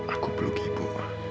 aku peluk ibu